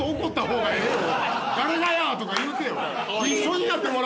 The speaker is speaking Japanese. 「誰がや！」とか言うてよ。